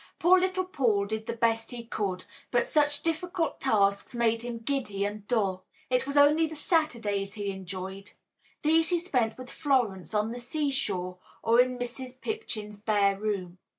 Poor little Paul did the best he could, but such difficult tasks made him giddy and dull. It was only the Saturdays he enjoyed; these he spent with Florence on the seashore or in Mrs. Pipchin's bare room.